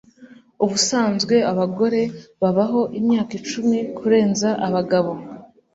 ubusanzwe abagore babaho imyaka icumi kurenza abagabo